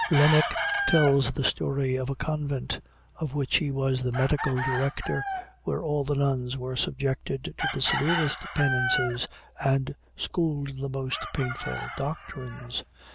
Laennec tells the story of a convent, of which he was the medical director, where all the nuns were subjected to the severest penances and schooled in the most painful doctrines.